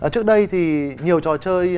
trước đây thì nhiều trò chơi